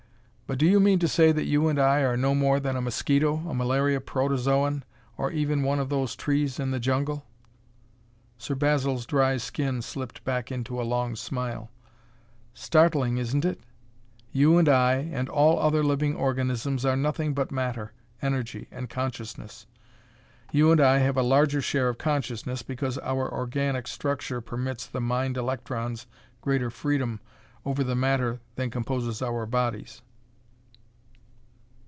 "But do you mean to say that you and I are no more than a mosquito, a malaria protozoan, or even one of those trees in the jungle?" Sir Basil's dry skin slipped back into a long smile. "Startling, isn't it? You, I, and all other living organisms are nothing but matter, energy and consciousness. You and I have a larger share of consciousness, because our organic structure permits the mind electrons greater freedom over the matter than composes our bodies.